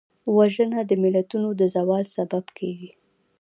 وژنه د ملتونو د زوال سبب کېږي